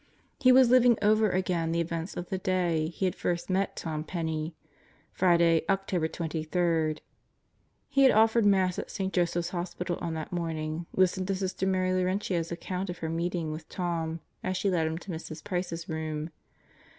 He was living over again the events of the day he had first met Tom Penney Friday, October 23. He had offered Mass at St. Joseph's Hospital on that morning; listened to Sister Mary Laurentia's account of her meeting with Tom as she led him to Mrs. Price's room.